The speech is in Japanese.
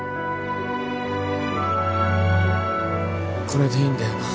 これでいいんだよな